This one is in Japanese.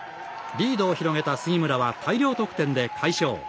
リードを広げた杉村は大量得点で快勝。